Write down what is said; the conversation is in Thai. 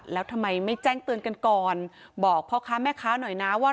แล้วทำไมไม่แจ้งเตือนกันก่อนบอกพ่อค้าแม่ค้าหน่อยนะว่า